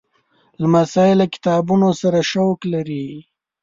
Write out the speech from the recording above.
لمسی له کتابونو سره شوق لري.